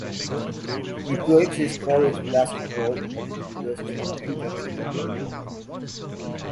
He played his college basketball at the University of Kentucky.